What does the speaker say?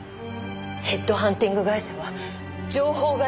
ヘッドハンティング会社は情報が命です。